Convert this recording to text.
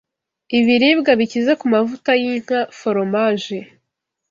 Ibiribwa bikize ku mavuta y’inka foromaje